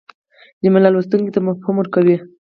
جمله لوستونکي ته مفهوم ورکوي.